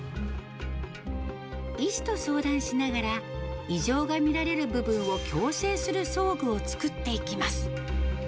医師と相談しながら、異常が見られる部分を矯正する装具を作っていきます。